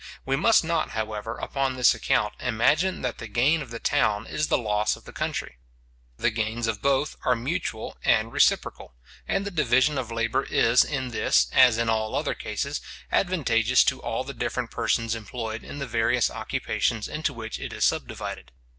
We must not, however, upon this account, imagine that the gain of the town is the loss of the country. The gains of both are mutual and reciprocal, and the division of labour is in this, as in all other cases, advantageous to all the different persons employed in the various occupations into which it is subdivided.